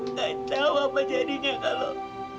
nggak tahu apa jadinya kalau